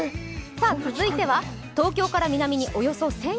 続いて、東京から南におよそ１０００ｋｍ。